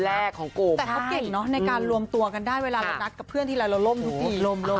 แต่เขาเก่งเนอะในการรวมตัวกันได้เวลาเรานัดกับเพื่อนทีไรเราล่มทุกทีลม